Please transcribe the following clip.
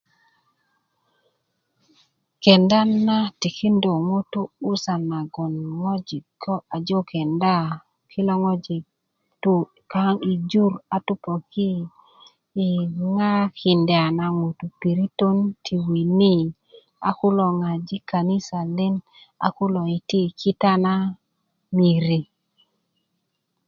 kenda na tikinda ŋutu' 'busan nagoŋ ŋoji ko aje kenda a kilo ŋojik tu kaaŋ yi jur a kule' ŋaji' kanisajin a kulo yiti'yi kita na miri